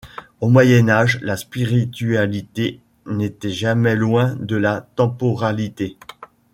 Au Moyen Âge, la spiritualité n'était jamais loin de la temporalité.